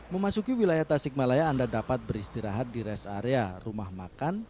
memasuki wilayah tasikmalaya anda dapat beristirahat di rest area rumah makan